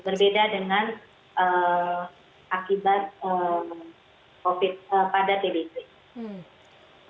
berbeda dengan akibat covid pada tbc